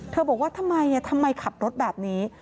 บอกว่าทำไมทำไมขับรถแบบนี้